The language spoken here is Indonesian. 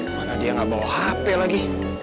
mana dia nggak bawa hp lagi